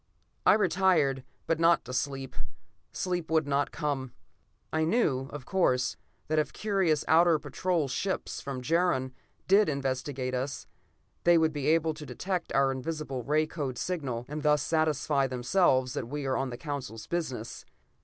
I retired, but not to sleep. Sleep would not come. I knew, of course, that if curious outer patrol ships from Jaron did investigate us, they would be able to detect our invisible ray code signal, and thus satisfy themselves that we were on the Council's business.